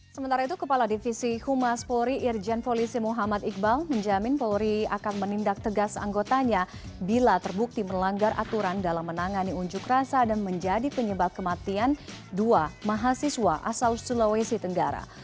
sementara itu kepala divisi humas polri irjen polisi muhammad iqbal menjamin polri akan menindak tegas anggotanya bila terbukti melanggar aturan dalam menangani unjuk rasa dan menjadi penyebab kematian dua mahasiswa asal sulawesi tenggara